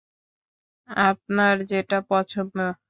আপনার যেটা পছন্দ।